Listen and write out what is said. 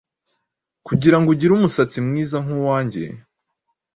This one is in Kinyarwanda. kugirango ugire umusatsi mwiza nkuwanjye